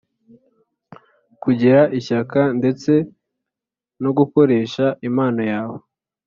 kugira ishyaka ndetse no gukoresha impano yawe